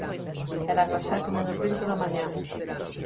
Eran as sete menos vinte da mañá.